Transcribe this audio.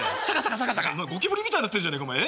お前ゴキブリみたいになってんじゃねえかお前え？